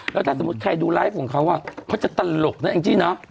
แล้วถ้าสมมุติใครดูไลฟ์ของเขาเขาจะตลกนะแองจี้เนอะ